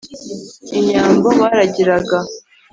Inyambo baragiraga,